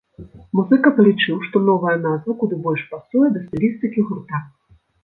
Музыка палічыў, што новая назва куды больш пасуе да стылістыкі гурта.